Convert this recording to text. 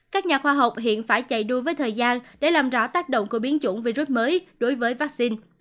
các nhà khoa học hiện phải chạy đua với thời gian để làm rõ tác động của biến chủng virus mới đối với vaccine